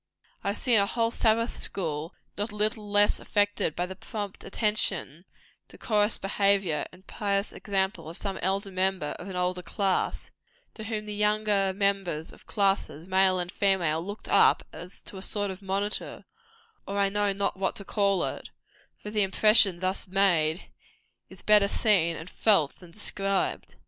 I have seen a whole Sabbath school not a little affected by the prompt attention, decorous behaviour and pious example of some elder member of an older class, to whom the younger members of classes, male and female, looked up, as to a sort of monitor, or I know not what to call it for the impression thus made, is better seen and felt than described.